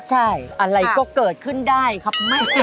ใช่อะไรก็เกิดขึ้นได้ครับแม่